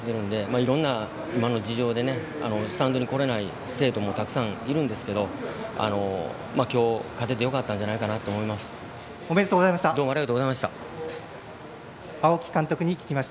いろんな事情でスタンドに来れない生徒もたくさんいるんですがきょう勝ててよかったんじゃないかなと思います。